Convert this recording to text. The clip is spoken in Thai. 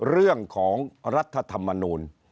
เรื่องของรัฐธรรมนูล